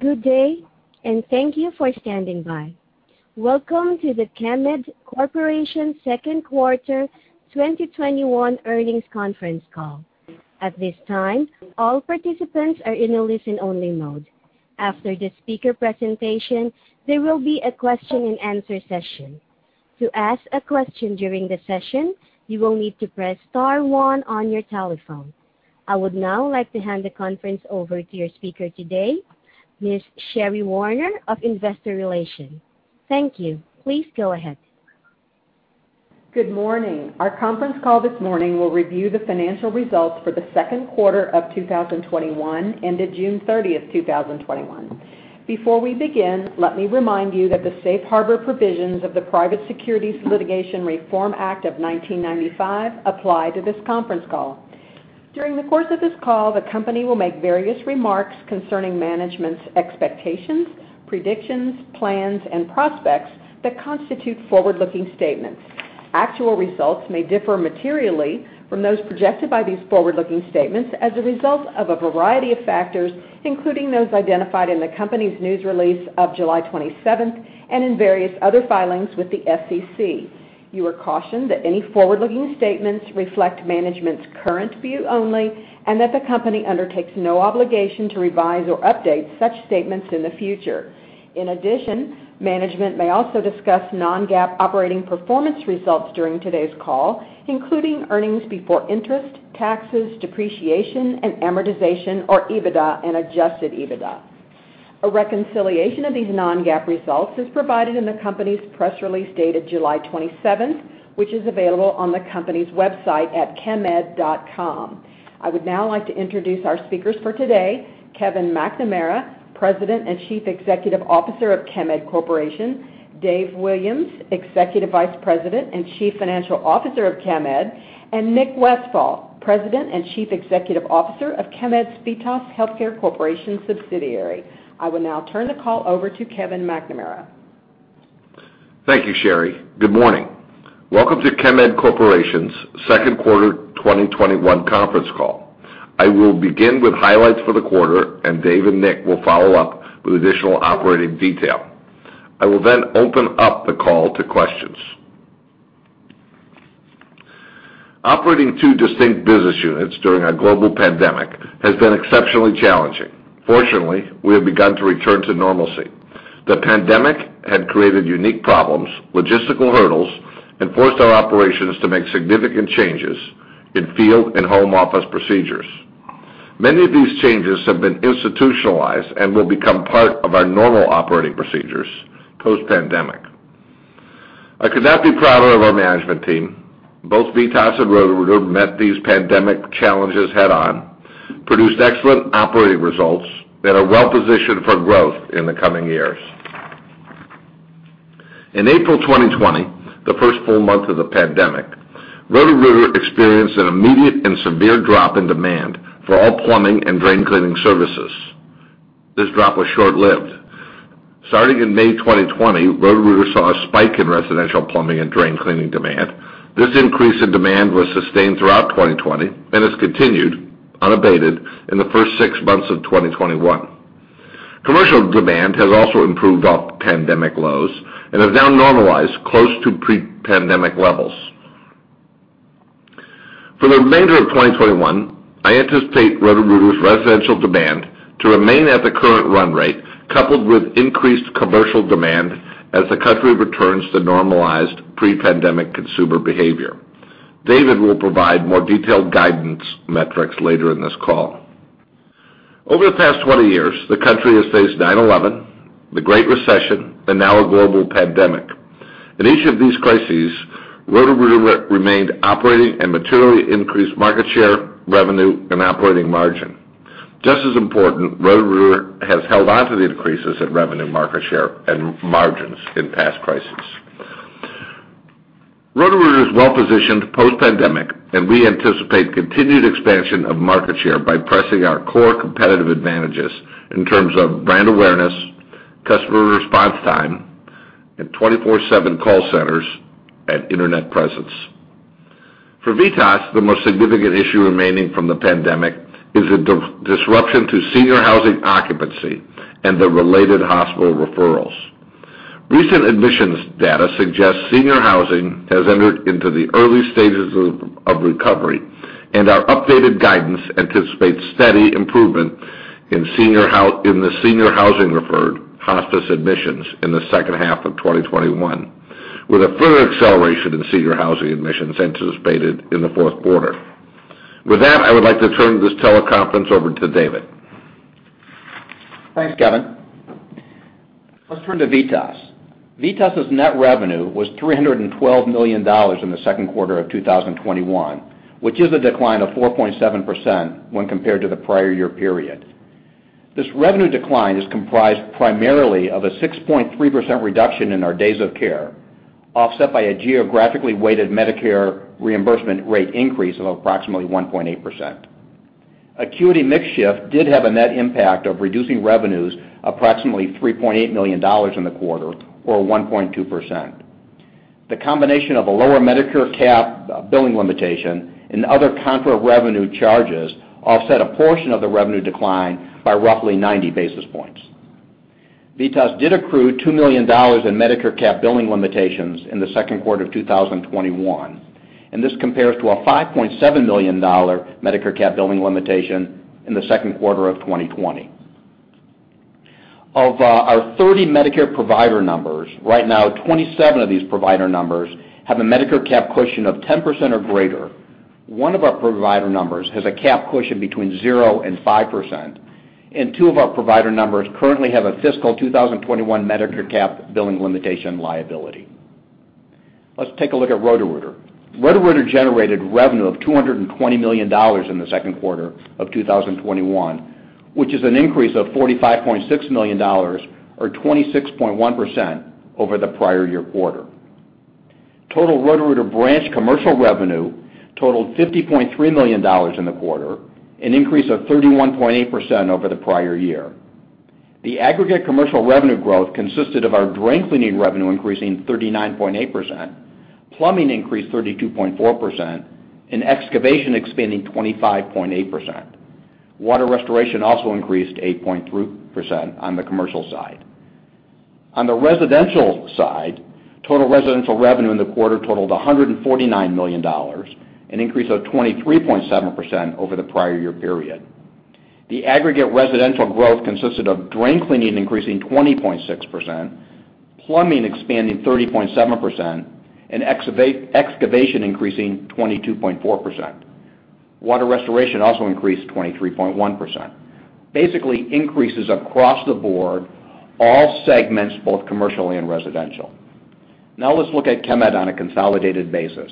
Good day, and thank you for standing by. Welcome to the Chemed Corporation Second Quarter 2021 Earnings Conference Call. At this time, all participants are in a listen-only mode. After the speaker presentation, there will be a question and answer session. To ask a question during the session, you will need to press star one on your telephone. I would now like to hand the conference over to your speaker today, Ms. Sherri Warner of Investor Relations. Thank you. Please go ahead. Good morning. Our conference call this morning will review the financial results for the second quarter of 2021, ended June 30th, 2021. Before we begin, let me remind you that the safe harbor provisions of the Private Securities Litigation Reform Act of 1995 apply to this conference call. During the course of this call, the company will make various remarks concerning management's expectations, predictions, plans, and prospects that constitute forward-looking statements. Actual results may differ materially from those projected by these forward-looking statements as a result of a variety of factors, including those identified in the company's news release of July 27th and in various other filings with the SEC. You are cautioned that any forward-looking statements reflect management's current view only, and that the company undertakes no obligation to revise or update such statements in the future. In addition, management may also discuss non-GAAP operating performance results during today's call, including earnings before interest, taxes, depreciation, and amortization, or EBITDA and adjusted EBITDA. A reconciliation of these non-GAAP results is provided in the company's press release dated July 27th, which is available on the company's website at chemed.com. I would now like to introduce our speakers for today, Kevin McNamara, President and Chief Executive Officer of Chemed Corporation, Dave Williams, Executive Vice President and Chief Financial Officer of Chemed, and Nick Westfall, President and Chief Executive Officer of Chemed's VITAS Healthcare Corporation subsidiary. I will now turn the call over to Kevin McNamara. Thank you, Sherri. Good morning. Welcome to Chemed Corporation's second quarter 2021 conference call. I will begin with highlights for the quarter, and Dave and Nick will follow up with additional operating detail. I will open up the call to questions. Operating two distinct business units during a global pandemic has been exceptionally challenging. Fortunately, we have begun to return to normalcy. The pandemic had created unique problems, logistical hurdles, and forced our operations to make significant changes in field and home office procedures. Many of these changes have been institutionalized and will become part of our normal operating procedures post-pandemic. I could not be prouder of our management team. Both VITAS and Roto-Rooter met these pandemic challenges head-on, produced excellent operating results, and are well-positioned for growth in the coming years. In April 2020, the first full month of the pandemic, Roto-Rooter experienced an immediate and severe drop in demand for all plumbing and drain cleaning services. This drop was short-lived. Starting in May 2020, Roto-Rooter saw a spike in residential plumbing and drain cleaning demand. This increase in demand was sustained throughout 2020 and has continued unabated in the first six months of 2021. Commercial demand has also improved off pandemic lows and has now normalized close to pre-pandemic levels. For the remainder of 2021, I anticipate Roto-Rooter's residential demand to remain at the current run rate, coupled with increased commercial demand as the country returns to normalized pre-pandemic consumer behavior. Dave will provide more detailed guidance metrics later in this call. Over the past 20 years, the country has faced 9/11, the Great Recession, and now a global pandemic. In each of these crises, Roto-Rooter remained operating and materially increased market share, revenue, and operating margin. Just as important, Roto-Rooter has held onto the increases in revenue market share and margins in past crises. Roto-Rooter is well-positioned post-pandemic, and we anticipate continued expansion of market share by pressing our core competitive advantages in terms of brand awareness, customer response time, and 24/7 call centers and internet presence. For VITAS, the most significant issue remaining from the pandemic is a disruption to senior housing occupancy and the related hospital referrals. Recent admissions data suggests senior housing has entered into the early stages of recovery, and our updated guidance anticipates steady improvement in the senior housing-referred hospice admissions in the second half of 2021, with a further acceleration in senior housing admissions anticipated in the fourth quarter. With that, I would like to turn this teleconference over to David. Thanks, Kevin. Let's turn to VITAS. VITAS' net revenue was $312 million in the second quarter of 2021, which is a decline of 4.7% when compared to the prior year period. This revenue decline is comprised primarily of a 6.3% reduction in our days of care, offset by a geographically weighted Medicare reimbursement rate increase of approximately 1.8%. Acuity mix shift did have a net impact of reducing revenues approximately $3.8 million in the quarter, or 1.2%. The combination of a lower Medicare cap billing limitation and other contra revenue charges offset a portion of the revenue decline by roughly 90 basis points. VITAS did accrue $2 million in Medicare cap billing limitations in the second quarter of 2021, and this compares to a $5.7 million Medicare cap billing limitation in the second quarter of 2020. Of our 30 Medicare provider numbers, right now, 27 of these provider numbers have a Medicare cap cushion of 10% or greater. One of our provider numbers has a cap cushion between 0% and 5%, and two of our provider numbers currently have a fiscal 2021 Medicare cap billing limitation liability. Let's take a look at Roto-Rooter. Roto-Rooter generated revenue of $220 million in the second quarter of 2021, which is an increase of $45.6 million, or 26.1% over the prior-year quarter. Total Roto-Rooter branch commercial revenue totaled $50.3 million in the quarter, an increase of 31.8% over the prior-year. The aggregate commercial revenue growth consisted of our drain cleaning revenue increasing 39.8%, plumbing increased 32.4%, and excavation expanding 25.8%. Water restoration also increased 8.3% on the commercial side. On the residential side, total residential revenue in the quarter totaled $149 million, an increase of 23.7% over the prior year period. The aggregate residential growth consisted of drain cleaning increasing 20.6%, plumbing expanding 30.7%, and excavation increasing 22.4%. Water restoration also increased 23.1%. Basically, increases across the board, all segments, both commercially and residential. Let's look at Chemed on a consolidated basis.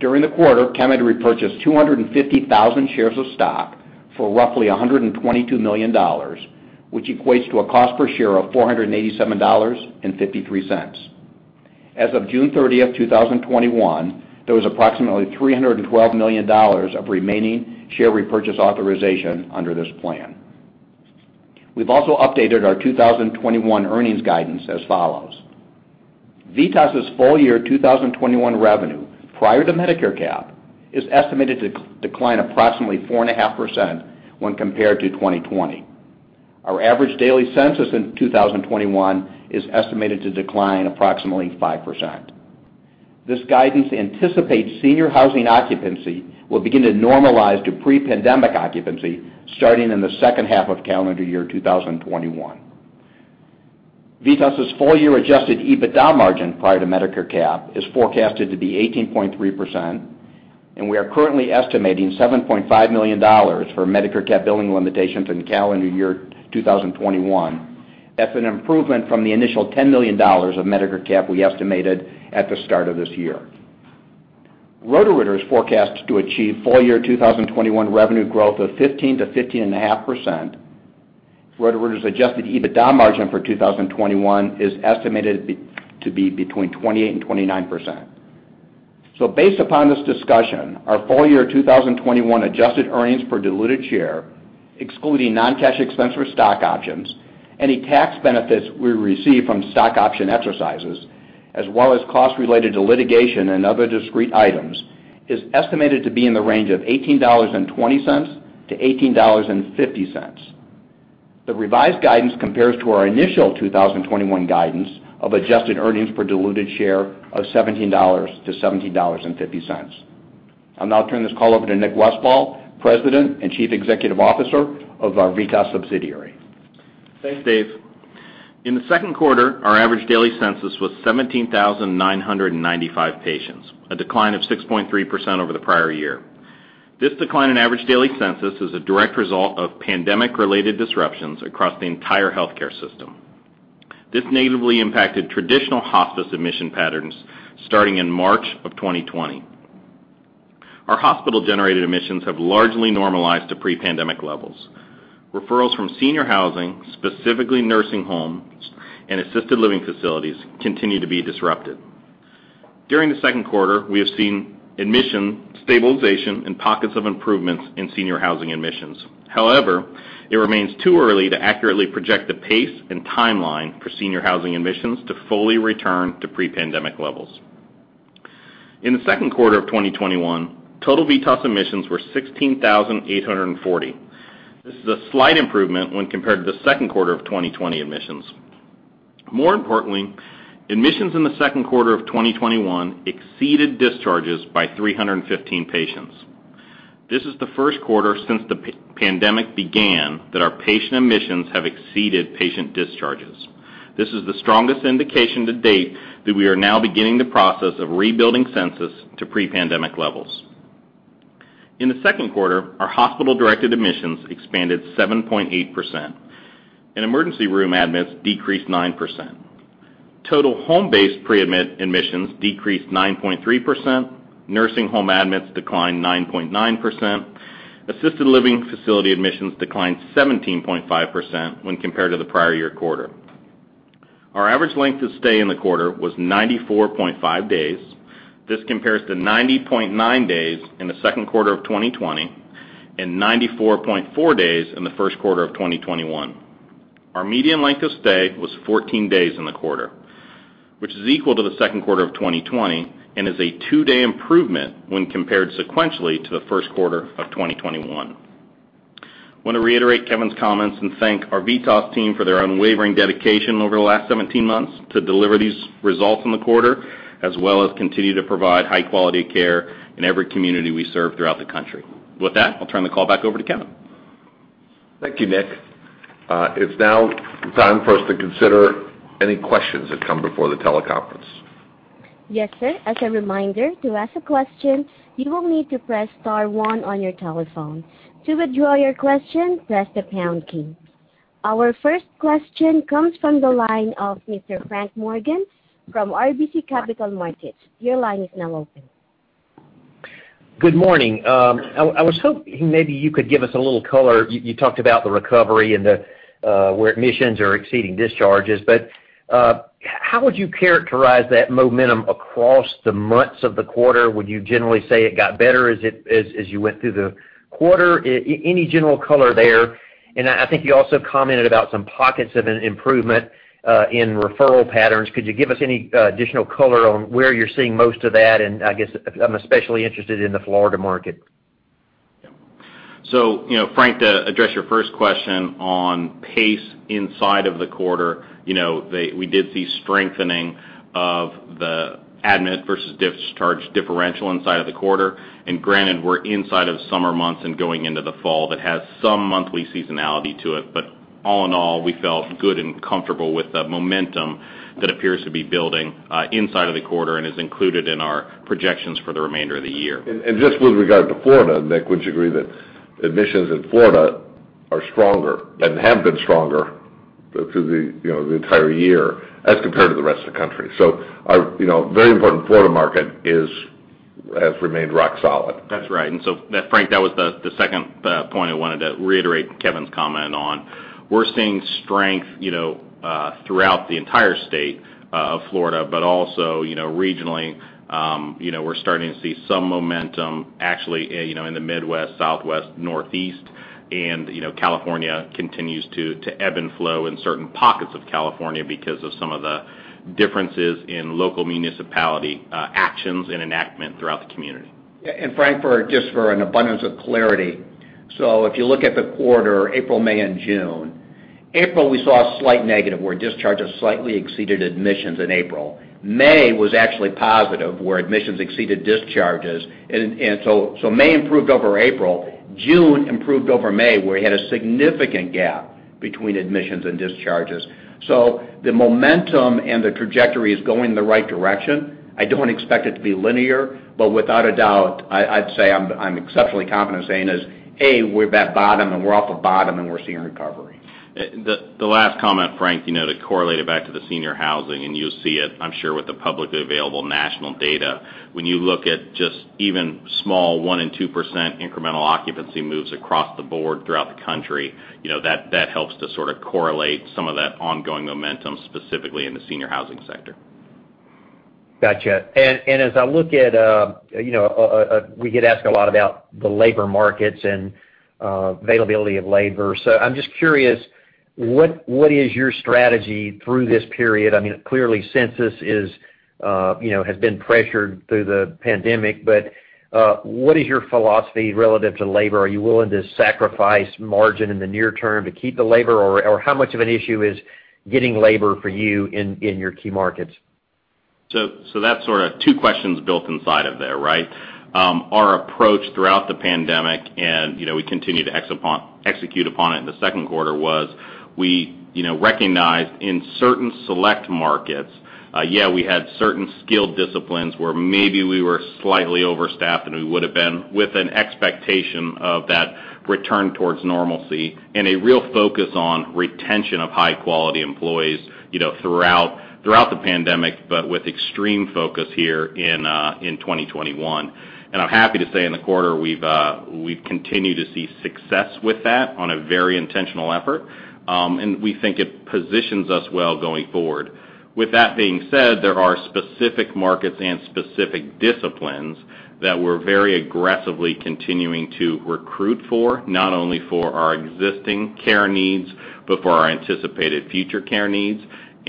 During the quarter, Chemed repurchased 250,000 shares of stock for roughly $122 million, which equates to a cost per share of $487.53. As of June 30, 2021, there was approximately $312 million of remaining share repurchase authorization under this plan. We've also updated our 2021 earnings guidance as follows. VITAS's full year 2021 revenue prior to Medicare cap is estimated to decline approximately 4.5% when compared to 2020. Our average daily census in 2021 is estimated to decline approximately 5%. This guidance anticipates senior housing occupancy will begin to normalize to pre-pandemic occupancy starting in the second half of calendar year 2021. VITAS' full year adjusted EBITDA margin prior to Medicare cap is forecasted to be 18.3%, and we are currently estimating $7.5 million for Medicare cap billing limitations in calendar year 2021. That's an improvement from the initial $10 million of Medicare cap we estimated at the start of this year. Roto-Rooter is forecast to achieve full year 2021 revenue growth of 15%-15.5%. Roto-Rooter's adjusted EBITDA margin for 2021 is estimated to be between 28% and 29%. Based upon this discussion, our full year 2021 adjusted earnings per diluted share, excluding non-cash expense for stock options, any tax benefits we receive from stock option exercises, as well as costs related to litigation and other discrete items, is estimated to be in the range of $18.20-$18.50. The revised guidance compares to our initial 2021 guidance of adjusted earnings per diluted share of $17-$17.50. I'll now turn this call over to Nick Westfall, President and Chief Executive Officer of our VITAS subsidiary. Thanks, Dave. In the second quarter, our average daily census was 17,995 patients, a decline of 6.3% over the prior year. This decline in average daily census is a direct result of pandemic-related disruptions across the entire healthcare system. This negatively impacted traditional hospice admission patterns starting in March of 2020. Our hospital-generated admissions have largely normalized to pre-pandemic levels. Referrals from senior housing, specifically nursing homes and assisted living facilities, continue to be disrupted. During the second quarter, we have seen admission stabilization and pockets of improvements in senior housing admissions. However, it remains too early to accurately project the pace and timeline for senior housing admissions to fully return to pre-pandemic levels. In the second quarter of 2021, total VITAS admissions were 16,840. This is a slight improvement when compared to the second quarter of 2020 admissions. More importantly, admissions in the second quarter of 2021 exceeded discharges by 315 patients. This is the first quarter since the pandemic began that our patient admissions have exceeded patient discharges. This is the strongest indication to date that we are now beginning the process of rebuilding census to pre-pandemic levels. In the second quarter, our hospital-directed admissions expanded 7.8%, and emergency room admits decreased 9%. Total home-based pre-admit admissions decreased 9.3%. Nursing home admits declined 9.9%. Assisted living facility admissions declined 17.5% when compared to the prior year quarter. Our average length of stay in the quarter was 94.5 days. This compares to 90.9 days in the second quarter of 2020 and 94.4 days in the first quarter of 2021. Our median length of stay was 14 days in the quarter, which is equal to the second quarter of 2020, and is a two-day improvement when compared sequentially to the first quarter of 2021. I want to reiterate Kevin's comments and thank our VITAS team for their unwavering dedication over the last 17 months to deliver these results in the quarter, as well as continue to provide high-quality care in every community we serve throughout the country. With that, I'll turn the call back over to Kevin. Thank you, Nick. It's now time for us to consider any questions that come before the teleconference. Yes, sir. As a reminder, to ask a question, you will need to press star one on your telephone. To withdraw your question, press the pound key. Our first question comes from the line of Mr. Frank Morgan from RBC Capital Markets. Your line is now open. Good morning. I was hoping maybe you could give us a little color. You talked about the recovery and where admissions are exceeding discharges, how would you characterize that momentum across the months of the quarter? Would you generally say it got better as you went through the quarter? Any general color there? I think you also commented about some pockets of an improvement in referral patterns. Could you give us any additional color on where you're seeing most of that? I guess, I'm especially interested in the Florida market. Yeah. Frank, to address your first question on pace inside of the quarter, we did see strengthening of the admit versus discharge differential inside of the quarter. Granted, we're inside of summer months and going into the fall, that has some monthly seasonality to it. All in all, we felt good and comfortable with the momentum that appears to be building inside of the quarter and is included in our projections for the remainder of the year. Just with regard to Florida, Nick, would you agree that admissions in Florida are stronger and have been stronger through the entire year as compared to the rest of the country? Our very important Florida market has remained rock solid. That's right. Frank, that was the second point I wanted to reiterate Kevin's comment on. We're seeing strength throughout the entire State of Florida, but also regionally, we're starting to see some momentum actually in the Midwest, Southwest, Northeast. California continues to ebb and flow in certain pockets of California because of some of the differences in local municipality actions and enactment throughout the community. Yeah. Frank, just for an abundance of clarity. If you look at the quarter, April, May, and June. April, we saw a slight negative, where discharges slightly exceeded admissions in April. May was actually positive, where admissions exceeded discharges. May improved over April. June improved over May, where you had a significant gap between admissions and discharges. The momentum and the trajectory is going in the right direction. I don't expect it to be linear, but without a doubt, I'd say I'm exceptionally confident saying is, A, we're off the bottom, and we're seeing recovery. The last comment, Frank, to correlate it back to the senior housing, and you'll see it, I'm sure, with the publicly available national data. When you look at just even small 1% and 2% incremental occupancy moves across the board throughout the country, that helps to sort of correlate some of that ongoing momentum, specifically in the senior housing sector. Got you. We get asked a lot about the labor markets and availability of labor. I'm just curious, what is your strategy through this period? Clearly census has been pressured through the pandemic, but what is your philosophy relative to labor? Are you willing to sacrifice margin in the near term to keep the labor, or how much of an issue is getting labor for you in your key markets? That's sort of two questions built inside of there, right? Our approach throughout the pandemic, and we continue to execute upon it in the second quarter, was we recognized in certain select markets, yeah, we had certain skilled disciplines where maybe we were slightly overstaffed than we would've been, with an expectation of that return towards normalcy, and a real focus on retention of high-quality employees throughout the pandemic, but with extreme focus here in 2021. I'm happy to say in the quarter, we've continued to see success with that on a very intentional effort. We think it positions us well going forward. With that being said, there are specific markets and specific disciplines that we're very aggressively continuing to recruit for, not only for our existing care needs, but for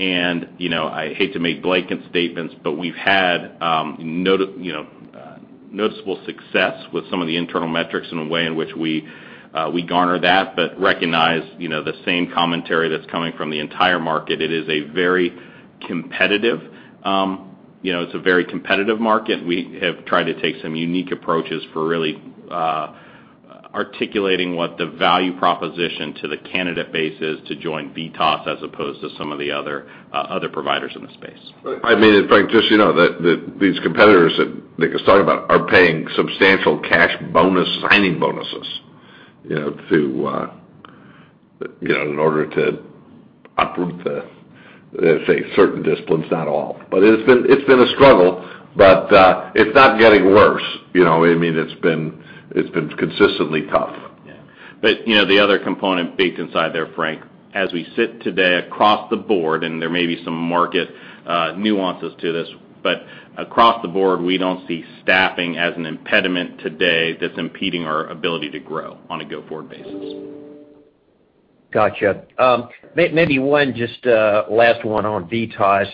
our anticipated future care needs. I hate to make blanket statements, but we've had noticeable success with some of the internal metrics in the way in which we garner that, but recognize the same commentary that's coming from the entire market. It is a very competitive market. We have tried to take some unique approaches for really articulating what the value proposition to the candidate base is to join VITAS as opposed to some of the other providers in the space. Frank, just so you know, these competitors that Nick is talking about are paying substantial cash bonus, signing bonuses in order to uproot the, let's say, certain disciplines, not all. It's been a struggle, but it's not getting worse. It's been consistently tough. Yeah. The other component baked inside there, Frank, as we sit today across the board, and there may be some market nuances to this, but across the board, we don't see staffing as an impediment today that's impeding our ability to grow on a go-forward basis. Got you. Maybe one just last one on VITAS.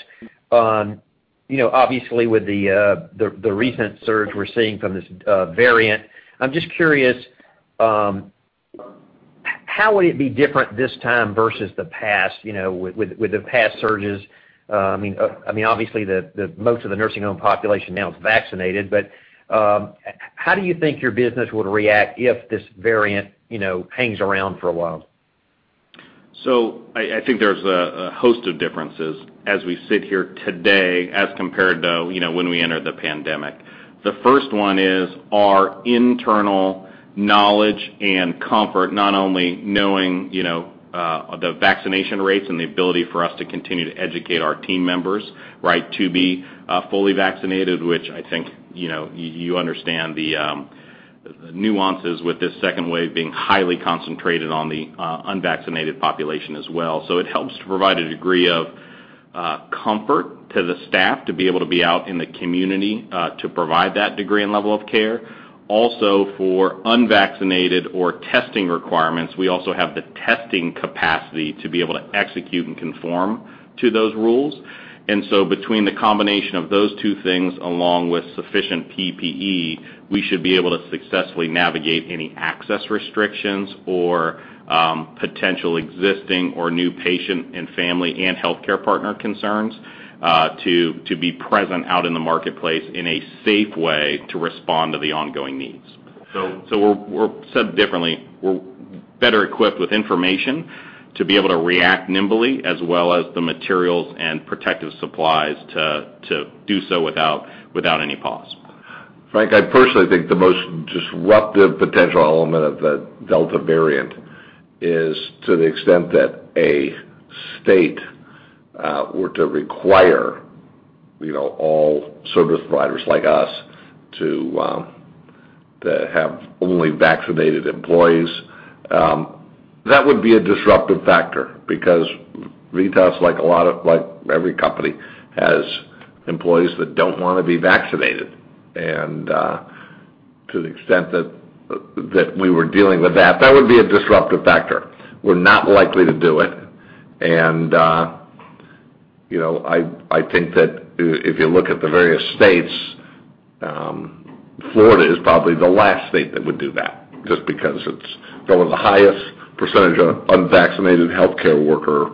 Obviously, with the recent surge we're seeing from this variant, I'm just curious, how would it be different this time versus the past, with the past surges? Obviously, most of the nursing home population now is vaccinated, but how do you think your business would react if this variant hangs around for a while? I think there's a host of differences as we sit here today as compared to when we entered the pandemic. The first one is our internal knowledge and comfort, not only knowing the vaccination rates and the ability for us to continue to educate our team members, to be fully vaccinated, which I think you understand the nuances with this second wave being highly concentrated on the unvaccinated population as well. It helps to provide a degree of comfort to the staff to be able to be out in the community to provide that degree and level of care. Also, for unvaccinated or testing requirements, we also have the testing capacity to be able to execute and conform to those rules. Between the combination of those two things, along with sufficient PPE, we should be able to successfully navigate any access restrictions or potential existing or new patient and family and healthcare partner concerns to be present out in the marketplace in a safe way to respond to the ongoing needs. Said differently, we're better equipped with information to be able to react nimbly as well as the materials and protective supplies to do so without any pause. Frank, I personally think the most disruptive potential element of the Delta variant is to the extent that a state were to require all service providers like us to have only vaccinated employees. That would be a disruptive factor because VITAS, like every company, has employees that don't want to be vaccinated. To the extent that we were dealing with that would be a disruptive factor. We're not likely to do it, and I think that if you look at the various states, Florida is probably the last state that would do that just because it's one of the highest percentage of unvaccinated healthcare worker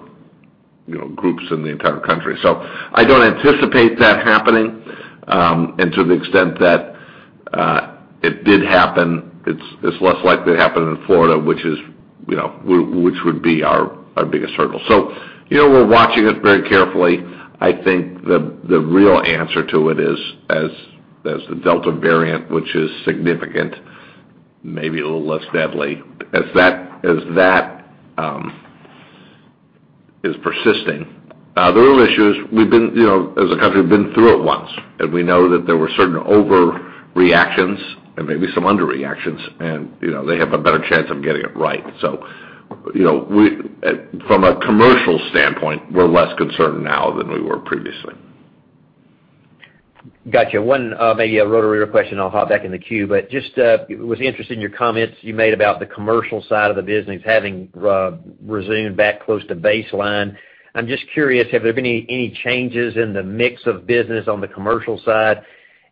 groups in the entire country. I don't anticipate that happening, and to the extent that it did happen, it's less likely to happen in Florida, which would be our biggest hurdle. We're watching it very carefully. I think the real answer to it is as the Delta variant, which is significant, maybe a little less deadly, as that is persisting. The real issue is, as a country, we've been through it once, and we know that there were certain overreactions and maybe some underreactions, and they have a better chance of getting it right. From a commercial standpoint, we're less concerned now than we were previously. Got you. One maybe a Roto-Rooter question, I'll hop back in the queue. Just was interested in your comments you made about the commercial side of the business having resumed back close to baseline. I'm just curious, have there been any changes in the mix of business on the commercial side?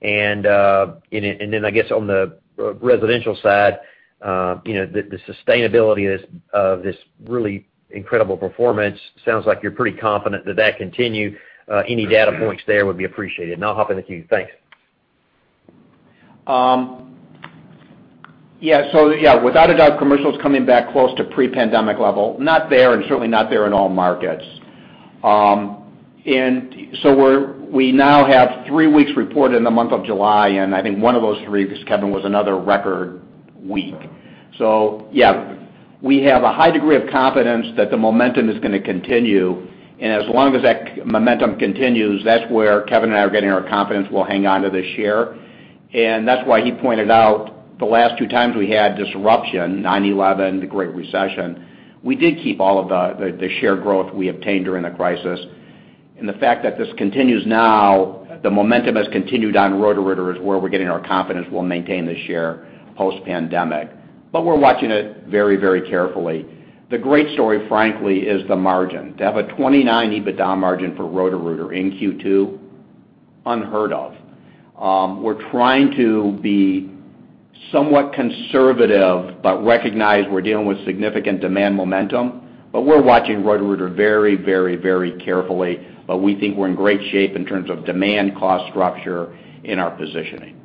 I guess on the residential side, the sustainability of this really incredible performance, sounds like you're pretty confident that that continue. Any data points there would be appreciated, and I'll hop in the queue. Thanks. Yeah. Without a doubt, commercial's coming back close to pre-pandemic level. Not there, certainly not there in all markets. We now have three weeks reported in the month of July, and I think one of those three, Kevin, was another record week. Yeah, we have a high degree of confidence that the momentum is going to continue. As long as that momentum continues, that's where Kevin and I are getting our confidence we'll hang on to the share. That's why he pointed out the last two times we had disruption, 9/11, the Great Recession, we did keep all of the share growth we obtained during the crisis. The fact that this continues now, the momentum has continued on Roto-Rooter is where we're getting our confidence we'll maintain the share post-pandemic. We're watching it very carefully. The great story, frankly, is the margin, to have a 29% EBITDA margin for Roto-Rooter in Q2, unheard of. We're trying to be somewhat conservative, but recognize we're dealing with significant demand momentum, but we're watching Roto-Rooter very carefully. We think we're in great shape in terms of demand cost structure in our positioning.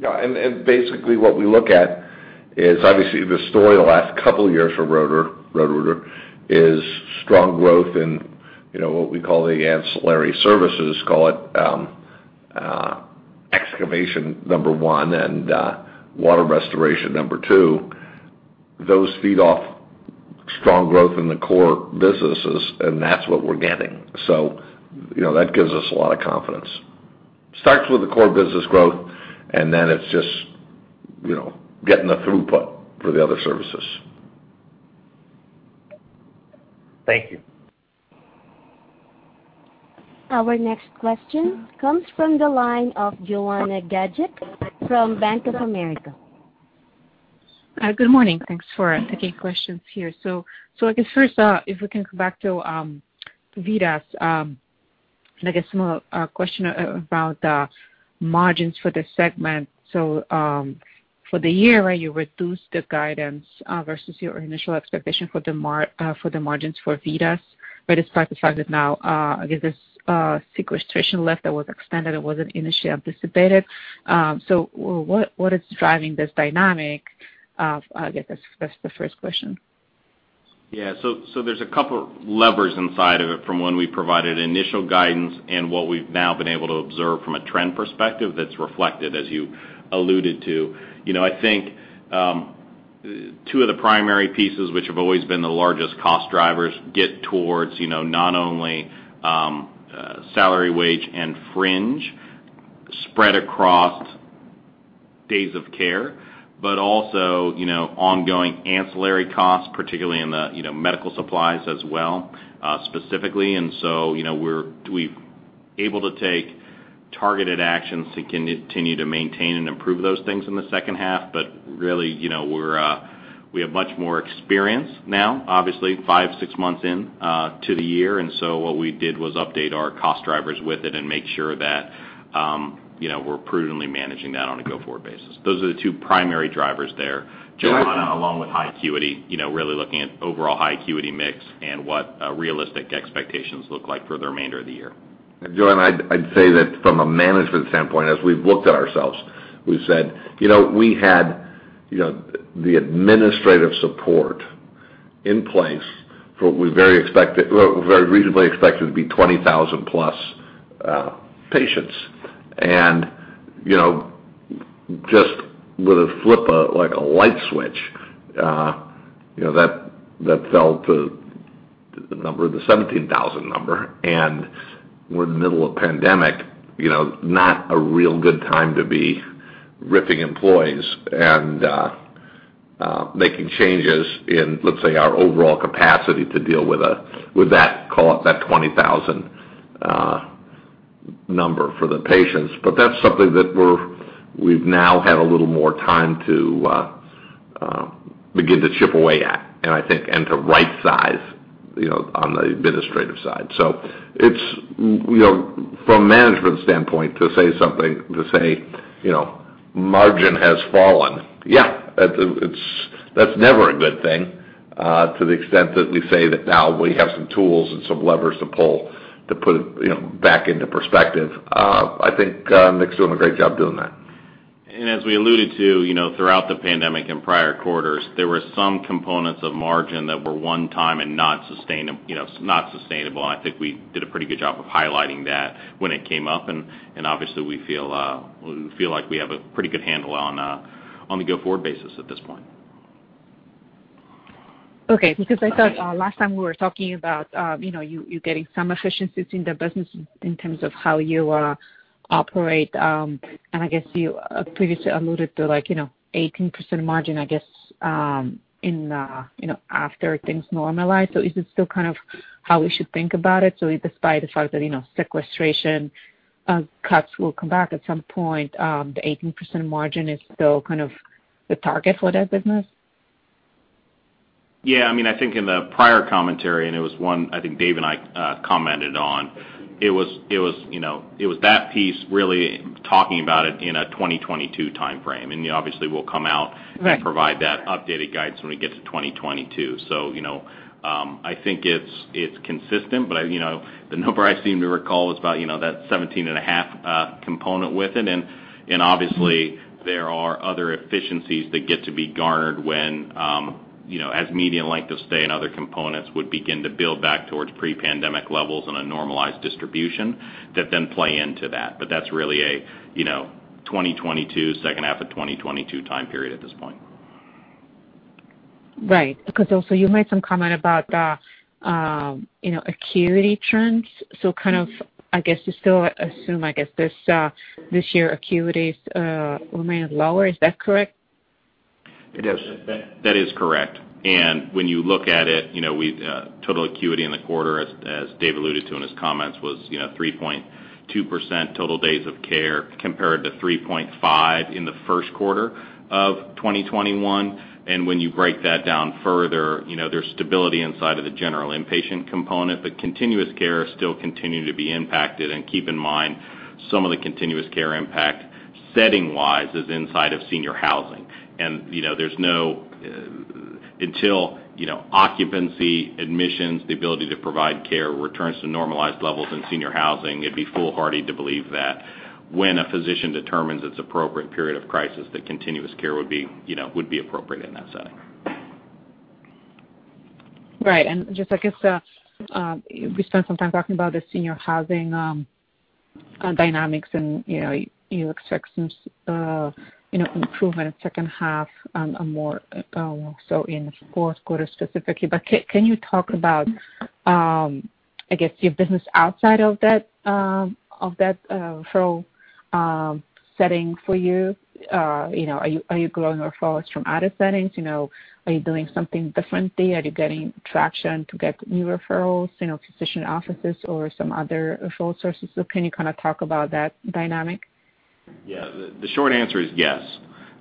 Yeah. Basically, what we look at is obviously the story the last couple of years for Roto-Rooter is strong growth in what we call the ancillary services, call it excavation, number one, and water restoration, number two. Those feed off strong growth in the core businesses, and that's what we're getting. That gives us a lot of confidence. Starts with the core business growth, and then it's just getting the throughput for the other services. Thank you. Our next question comes from the line of Joanna Gajuk from Bank of America. Good morning. Thanks for taking questions here. I guess first, if we can go back to VITAS. I guess my question about the margins for the segment. For the year, you reduced the guidance versus your initial expectation for the margins for VITAS, but despite the fact that now, I guess there's sequestration left that was extended, that wasn't initially anticipated. What is driving this dynamic? I guess that's the first question. Yeah. There's a couple levers inside of it from when we provided initial guidance and what we've now been able to observe from a trend perspective that's reflected, as you alluded to. I think two of the primary pieces, which have always been the largest cost drivers, get towards not only salary, wage, and fringe spread across days of care, but also ongoing ancillary costs, particularly in the medical supplies as well, specifically. We're able to take targeted actions to continue to maintain and improve those things in the second half. Really, we have much more experience now, obviously five, six months into the year. What we did was update our cost drivers with it and make sure that we're prudently managing that on a go-forward basis. Those are the two primary drivers there, Joanna, along with high acuity, really looking at overall high acuity mix and what realistic expectations look like for the remainder of the year. Joanna, I'd say that from a management standpoint, as we've looked at ourselves, we've said we had the administrative support in place for what we very reasonably expected to be 20,000+ patients. Just with a flip of a light switch, that fell to the 17,000 number. We're in the middle of a pandemic, not a real good time to be ripping employees and making changes in, let's say, our overall capacity to deal with that call-up, that 20,000 number for the patients. That's something that we've now had a little more time to begin to chip away at, and I think, and to right size on the administrative side. From a management standpoint, to say something, to say margin has fallen, yeah, that's never a good thing. To the extent that we say that now we have some tools and some levers to pull to put it back into perspective. I think Nick's doing a great job doing that. As we alluded to throughout the pandemic in prior quarters, there were some components of margin that were one time and not sustainable. I think we did a pretty good job of highlighting that when it came up, and obviously, we feel like we have a pretty good handle on a go-forward basis at this point. Okay. I thought last time we were talking about you getting some efficiencies in the business in terms of how you operate. I guess you previously alluded to 18% margin, I guess, after things normalize. Is it still kind of how we should think about it? Despite the fact that sequestration cuts will come back at some point, the 18% margin is still kind of the target for that business? I think in the prior commentary, it was one I think Dave and I commented on, it was that piece really talking about it in a 2022 timeframe. Obviously, we'll come out and provide that updated guidance when we get to 2022. I think it's consistent, the number I seem to recall is about that 17 and a half component with it. Obviously, there are other efficiencies that get to be garnered as median length of stay and other components would begin to build back towards pre-pandemic levels in a normalized distribution that then play into that. That's really a 2022, second half of 2022 time period at this point. Right. Also you made some comment about acuity trends. I guess you still assume, I guess this year, acuity has remained lower. Is that correct? It is. That is correct. When you look at it, total acuity in the quarter, as Dave alluded to in his comments, was 3.2% total days of care compared to 3.5% in the first quarter of 2021. When you break that down further, there's stability inside of the general inpatient component, but continuous care still continue to be impacted. Keep in mind, some of the continuous care impact, setting-wise, is inside of senior housing. Until occupancy, admissions, the ability to provide care returns to normalized levels in senior housing, it'd be foolhardy to believe that when a physician determines it's appropriate period of crisis, that continuous care would be appropriate in that setting. Right. Just, I guess, we spent some time talking about the senior housing dynamics, and you expect some improvement in second half and more so in fourth quarter specifically. Can you talk about, I guess, your business outside of that role, setting for you? Are you growing referrals from other settings? Are you doing something differently? Are you getting traction to get new referrals, physician offices or some other referral sources? Can you talk about that dynamic? Yeah. The short answer is yes.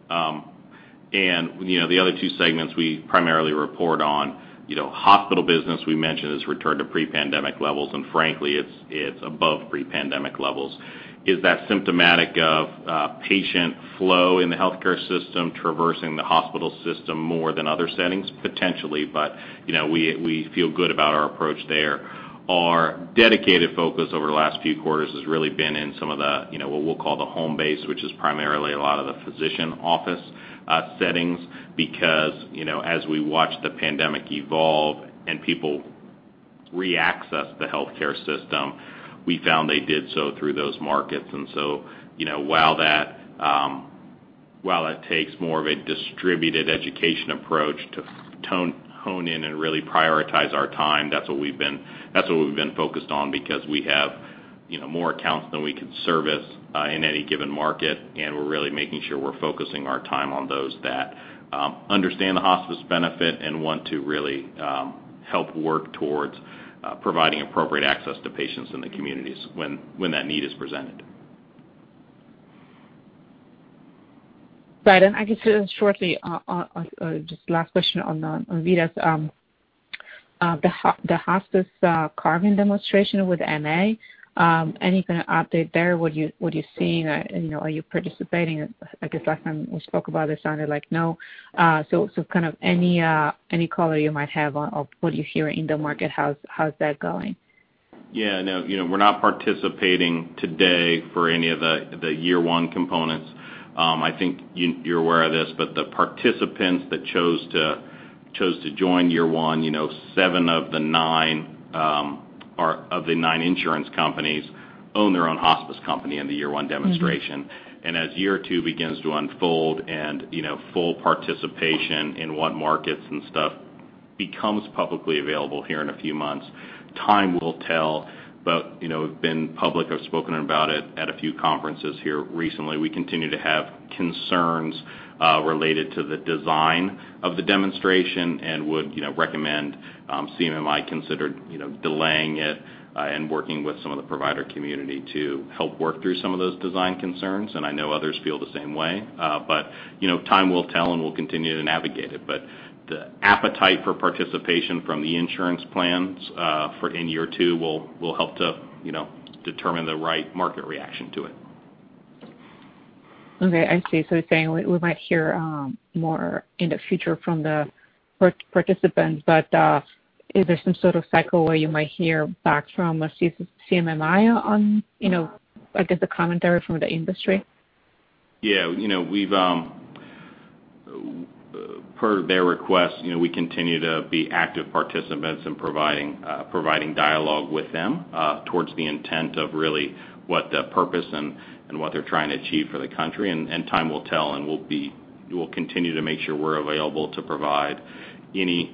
The other two segments we primarily report on, hospital business, we mentioned, has returned to pre-pandemic levels, and frankly, it's above pre-pandemic levels. Is that symptomatic of patient flow in the healthcare system traversing the hospital system more than other settings? Potentially, but we feel good about our approach there. Our dedicated focus over the last few quarters has really been in some of the, what we'll call the home base, which is primarily a lot of the physician office settings, because, as we watch the pandemic evolve and people re-access the healthcare system, we found they did so through those markets. While that takes more of a distributed education approach to hone in and really prioritize our time, that's what we've been focused on because we have more accounts than we could service, in any given market, and we're really making sure we're focusing our time on those that understand the hospice benefit and want to really help work towards providing appropriate access to patients in the communities when that need is presented. Right. I guess just shortly, just last question on the VITAS. The hospice carve-in demonstration with MA, any kind of update there? What are you seeing? Are you participating? I guess last time we spoke about it sounded like no. Any color you might have on of what you hear in the market, how's that going? Yeah. No, we're not participating today for any of the year one components. I think you're aware of this, but the participants that chose to join year one, seven of the nine insurance companies own their own hospice company in the year one demonstration. As year two begins to unfold and full participation in what markets and stuff becomes publicly available here in a few months, time will tell. We've been public, I've spoken about it at a few conferences here recently. We continue to have concerns related to the design of the demonstration and would recommend CMMI consider delaying it and working with some of the provider community to help work through some of those design concerns, and I know others feel the same way. Time will tell, and we'll continue to navigate it. The appetite for participation from the insurance plans in year two will help to determine the right market reaction to it. Okay, I see. You're saying we might hear more in the future from the participants, but is there some sort of cycle where you might hear back from CMMI on, I guess the commentary from the industry? Yeah. Per their request, we continue to be active participants in providing dialogue with them towards the intent of really what the purpose and what they're trying to achieve for the country, and time will tell, and we'll continue to make sure we're available to provide any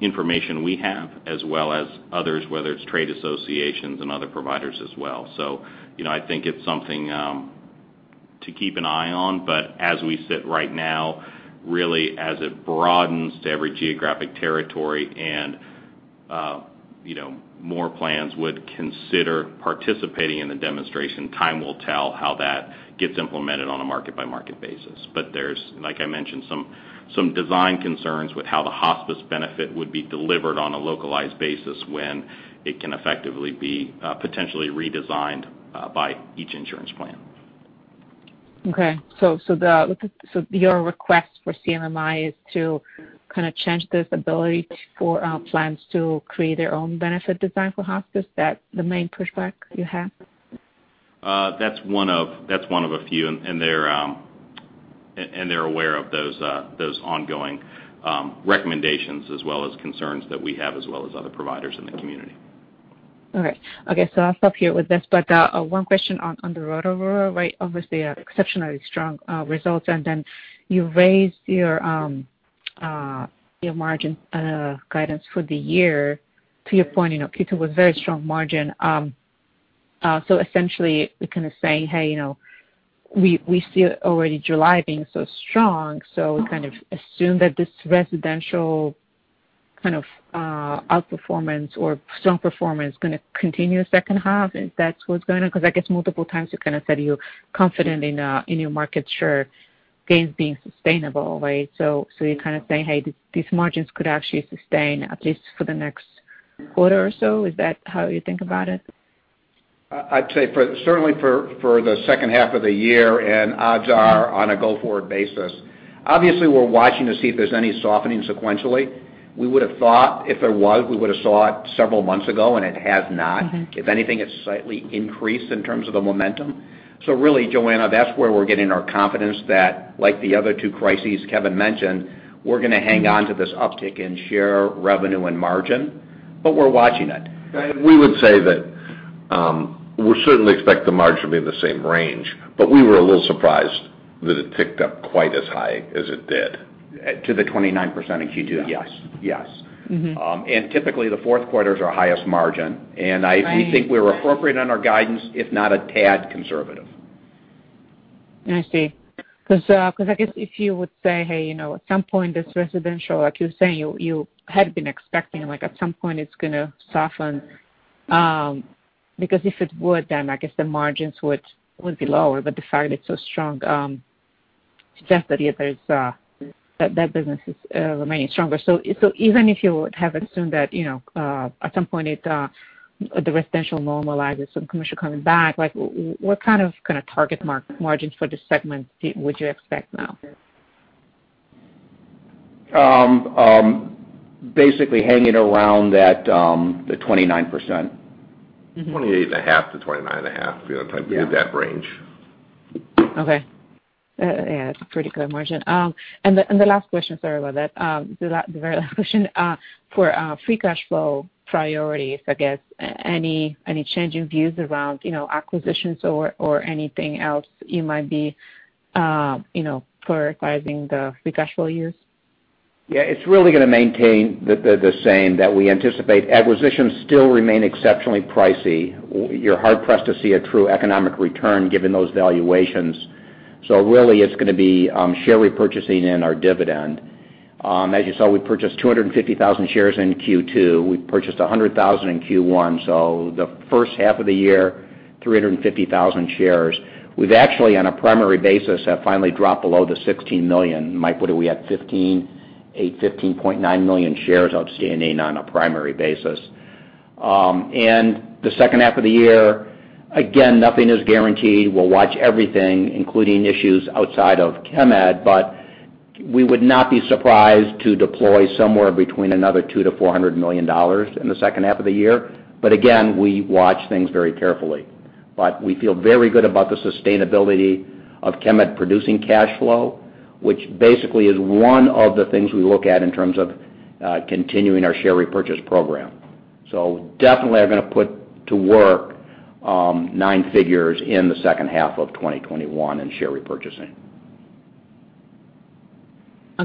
information we have as well as others, whether it's trade associations and other providers as well. I think it's something to keep an eye on, but as we sit right now, really, as it broadens to every geographic territory and more plans would consider participating in the demonstration, time will tell how that gets implemented on a market-by-market basis. There's, like I mentioned, some design concerns with how the hospice benefit would be delivered on a localized basis when it can effectively be potentially redesigned by each insurance plan. Okay. Your request for CMMI is to change this ability for plans to create their own benefit design for hospice? That the main pushback you have? That's one of a few, and they're aware of those ongoing recommendations as well as concerns that we have as well as other providers in the community. I'll stop here with this, but one question on the Roto-Rooter, right? Obviously, exceptionally strong results, and then you raised your margin guidance for the year to your point, Q2 was very strong margin. Essentially, we're kind of saying, "Hey, we see already July being so strong, so kind of assume that this residential outperformance or strong performance going to continue second half," if that's what's going on, because I guess multiple times you kind of said you're confident in your market share gains being sustainable, right? You're kind of saying, "Hey, these margins could actually sustain at least for the next quarter or so." Is that how you think about it? I'd say certainly for the second half of the year, and odds are on a go-forward basis. Obviously, we're watching to see if there's any softening sequentially. We would've thought if there was, we would've saw it several months ago, and it has not. If anything, it's slightly increased in terms of the momentum. Really, Joanna, that's where we're getting our confidence that, like the other two crises Kevin mentioned, we're going to hang on to this uptick in share revenue and margin, but we're watching it. We would say that we certainly expect the margin to be in the same range. We were a little surprised. That it ticked up quite as high as it did. To the 29% in Q2? Yeah. Yes. Typically, the fourth quarter is our highest margin, and we think we're appropriate on our guidance, if not a tad conservative. I see. I guess if you would say, hey, at some point this residential, like you're saying, you had been expecting at some point it's going to soften. If it would, then I guess the margins would be lower, but the fact it's so strong suggests that that business is remaining stronger. Even if you would have assumed that at some point the residential normalizes, some commercial coming back, what kind of target margins for this segment would you expect now? Basically hanging around the 29%. 28.5%-29.5%. Yeah. Be in that range. Okay. Yeah, that's a pretty good margin. The last question, sorry about that. The very last question, for free cash flow priorities, I guess, any changing views around acquisitions or anything else you might be prioritizing the free cash flow use? It's really going to maintain the same that we anticipate. Acquisitions still remain exceptionally pricey. You're hard-pressed to see a true economic return given those valuations. Really it's going to be share repurchasing and our dividend. As you saw, we purchased 250,000 shares in Q2. We purchased 100,000 in Q1. The first half of the year, 350,000 shares. We've actually, on a primary basis, have finally dropped below the 16 million. Mike, what are we at 15, 8, 15.9 million shares outstanding on a primary basis. The second half of the year, again, nothing is guaranteed. We'll watch everything including issues outside of Chemed, we would not be surprised to deploy somewhere between another $2-$400 million in the second half of the year. Again, we watch things very carefully. We feel very good about the sustainability of Chemed producing cash flow, which basically is one of the things we look at in terms of continuing our share repurchase program. Definitely are going to put to work nine figures in the second half of 2021 in share repurchasing.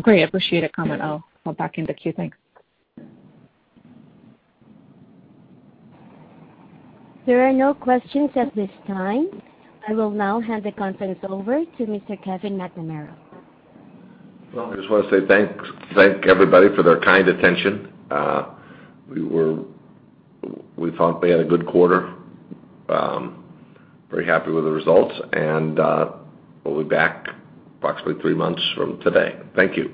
Great. I appreciate the comment. I'll hop back in the queue. Thanks. There are no questions at this time. I will now hand the conference over to Mr. Kevin McNamara. Well, I just want to say thanks. Thank everybody for their kind attention. We thought we had a good quarter. Very happy with the results. We'll be back approximately 3 months from today. Thank you.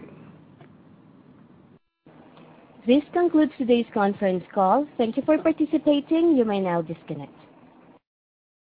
This concludes today's conference call. Thank you for participating. You may now disconnect.